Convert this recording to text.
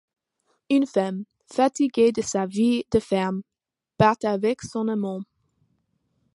Une femme, fatiguée de sa vie de ferme, part avec son amant.